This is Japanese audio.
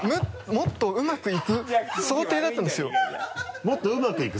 もっとうまくいく想定だったんですよ